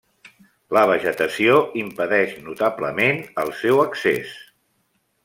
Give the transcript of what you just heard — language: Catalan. La vegetació impedeix notablement el seu accés.